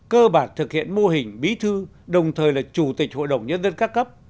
cơ bản thực hiện mô hình bí thư đồng thời là chủ tịch hội đồng nhân dân các cấp